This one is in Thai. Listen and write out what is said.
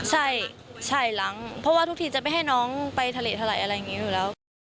ใช่หลังเพราะว่าทุกทีจะไม่ให้น้องไปทะเลเท่าไหร่อะไรอย่างนี้อยู่แล้ว